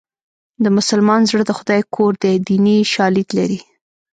د مسلمان زړه د خدای کور دی دیني شالید لري